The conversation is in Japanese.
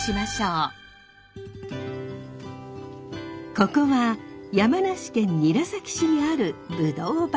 ここは山梨県韮崎市にあるぶどう畑。